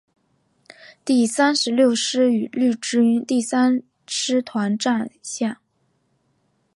第三十六师与日军第三师团巷战。